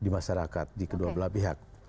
di masyarakat di kedua belah pihak